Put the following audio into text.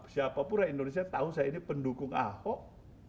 siapapun rakyat indonesia tahu saya ini pendukung ahok